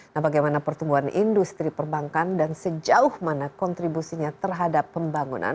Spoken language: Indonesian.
nah bagaimana pertumbuhan industri perbankan dan sejauh mana kontribusinya terhadap pembangunan